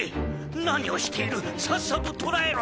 何をしているさっさと捕らえろ！